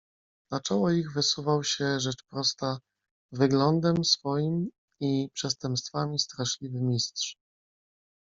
"Na czoło ich wysuwał się, rzecz prosta, wyglądem swoim i przestępstwami straszliwy Mistrz."